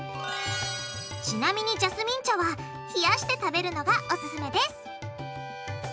ちなみにジャスミン茶は冷やして食べるのがオススメです！